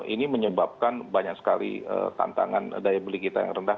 ini menyebabkan banyak sekali tantangan daya beli kita yang rendah